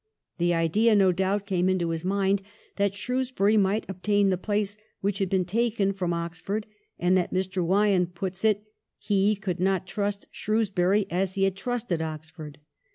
The idea, no doubt, came into his mind that Shrewsbury might obtain the place which had been taken from Oxford, and, as Mr. Wyon puts it, ^he could not treat Shrewsbury as he had treated Oxford.'